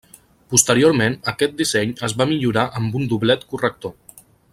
Posteriorment aquest disseny es va millorar amb un doblet corrector.